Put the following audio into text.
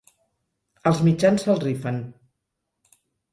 Els mitjans se'l rifen.